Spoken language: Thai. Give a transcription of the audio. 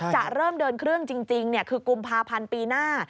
จะเริ่มเดินเครื่องจริงคือกุมภาพันธ์ปีหน้า